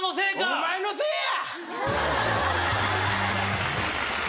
お前のせいや！